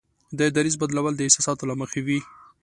د دریځ بدلول د احساساتو له مخې وي.